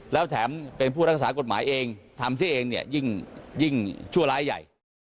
แล้วแถมเป็นผู้รักษากฎหมายเองทำซิเองเนี่ยยิ่งชั่วร้ายใหญ่